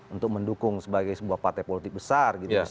untuk mendukung sebagai sebuah partai politik besar gitu